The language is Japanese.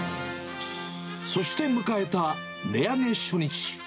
そして迎えた値上げ初日。